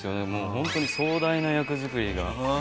ホントに壮大な役作りが。